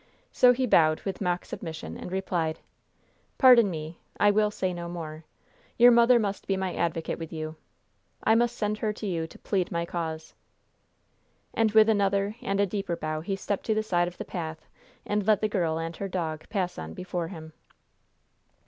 So he bowed with mock submission and replied: "Pardon me, I will say no more. Your mother must be my advocate with you. I must send her to you to plead my cause." And with another and a deeper bow he stepped to the side of the path and let the girl and her dog pass on before him.